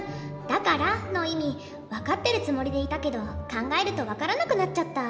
「だから」の意味分かってるつもりでいたけど考えると分からなくなっちゃった。